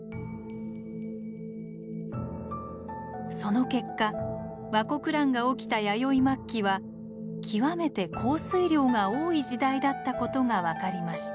その結果倭国乱が起きた弥生末期は極めて降水量が多い時代だったことが分かりました。